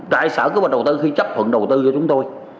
trại sở cơ bản đầu tư khi chấp thuận đầu tư cho chúng tôi